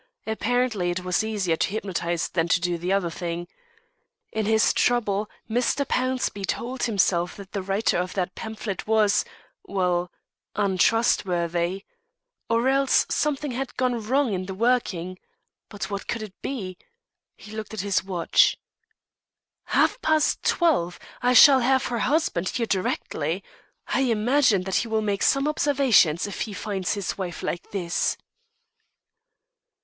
Apparently it was easier to hypnotise than to do the other thing. In his trouble Mr. Pownceby told himself that the writer of that pamphlet was well, untrustworthy. Or else something had gone wrong in the working. But what could it be? He looked at his watch. "Half past twelve! I shall have her husband here directly. I imagine that he will make some observations if he finds his wife like this."